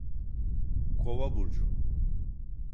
Kova burcu…